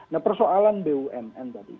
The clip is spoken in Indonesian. nah persoalan bumn tadi